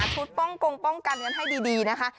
ป้องกงป้องกันกันให้ดีนะคะ